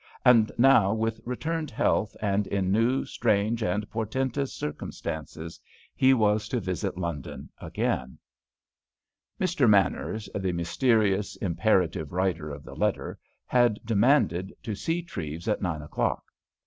And now, with returned health and in new, strange and portentous circumstances, he was to visit London again. Mr. Manners, the mysterious, imperative writer of the letter, had demanded to see Treves at nine o'clock.